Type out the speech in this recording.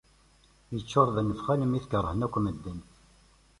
Yeččur d nnefxa armi t-kerhen akk medden.